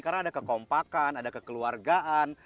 karena ada kekompakan ada kekeluargaan